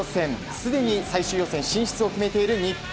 すでに最終予選進出を決めている日本。